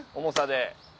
重さで。